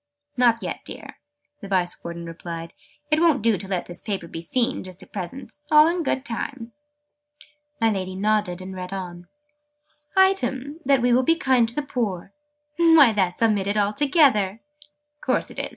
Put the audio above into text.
"Not yet, dear," the Vice Warden replied. "It won't do to let this paper be seen, just at present. All in good time." My Lady nodded, and read on. "'Item, that we will be kind to the poor.' Why, that's omitted altogether!" "Course it is!"